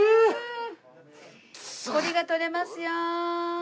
コリが取れますよ。